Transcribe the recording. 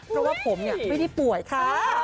เพราะว่าผมไม่ได้ป่วยค่ะ